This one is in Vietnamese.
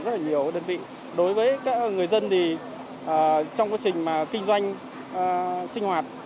rất nhiều đơn vị đối với người dân trong quá trình kinh doanh sinh hoạt